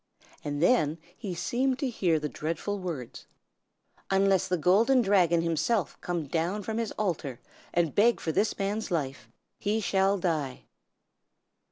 And then he seemed to hear the dreadful words, "Unless the Golden Dragon himself come down from his altar and beg for this man's life, he shall die."